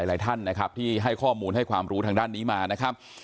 หลายท่านนะครับที่ให้ข้อมูลให้ความรู้ทางด้านนี้มานะครับ